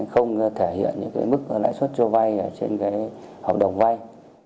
không thể hiện mức lãi suất cho vai trên hợp đồng vai